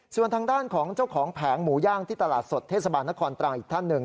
ส่วนทางด้านของเจ้าของแผงหมูย่างที่ตลาดสดเทศบาลนครตรังอีกท่านหนึ่ง